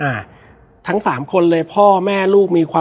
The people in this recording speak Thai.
และวันนี้แขกรับเชิญที่จะมาเชิญที่เรา